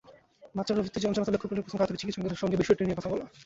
বাচ্চার অতিচঞ্চলতা লক্ষ করলেই প্রথম কাজ হবে চিকিৎসকের সঙ্গে বিষয়টি নিয়ে কথা বলা।